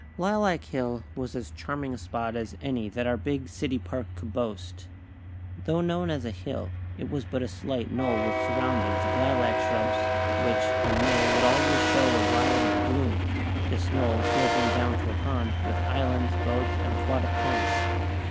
Lilac Hill was as charming a spot as any that our big City Park could boast. Though known as a hill, it was but a slight knoll with surroundings of lilac shrubs, which, in May would always show a riot of bloom; this knoll sloping down to a pond, with islands, boats and aquatic plants.